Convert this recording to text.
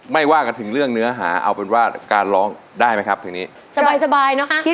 ไปเดินเหยียบเท้าใครบ้าง